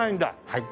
はい。